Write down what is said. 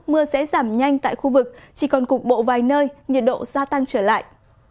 mưa sẽ giảm nhanh tại khu vực chỉ còn cục bộ vài nơi nhiệt độ gia tăng trở lại